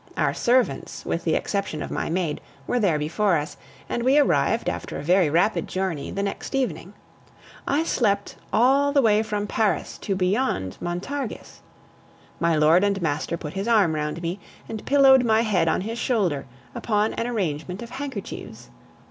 Our servants, with the exception of my maid, were there before us, and we arrived, after a very rapid journey, the next evening. I slept all the way from Paris to beyond Montargis. My lord and master put his arm round me and pillowed my head on his shoulder, upon an arrangement of handkerchiefs.